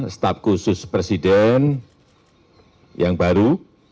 staf khusus presiden yang baru